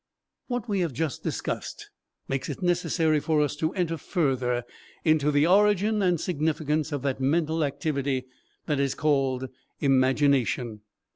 What we have just discussed makes it necessary for us to enter further into the origin and significance of that mental activity that is called imagination.